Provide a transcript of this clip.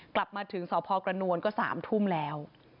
กลับมาถึงสพกระนวลก็๓ทุ่มแล้ว